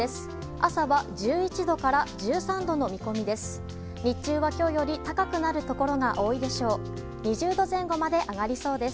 朝は１１度から１３度の見込みです。